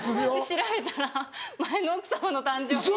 調べたら前の奥様の誕生日で。